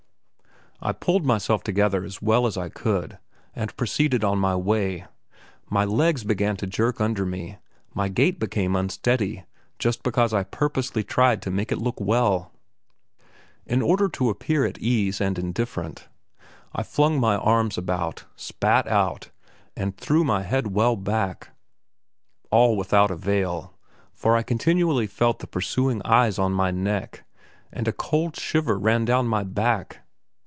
I pulled myself together as well as I could and proceeded on my way; my legs began to jerk under me, my gait became unsteady just because I purposely tried to make it look well. In order to appear at ease and indifferent, I flung my arms about, spat out, and threw my head well back all without avail, for I continually felt the pursuing eyes on my neck, and a cold shiver ran down my back.